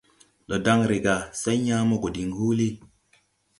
Ndo dan re gà, say yãã mo go diŋ huulí.